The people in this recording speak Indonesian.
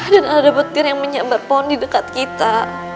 dan ada ada batir yang menyambar pohon di dekat kita